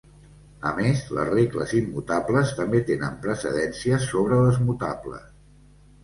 A més, les regles immutables també tenen precedència sobre les mutables.